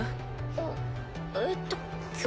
あっえっと今日は。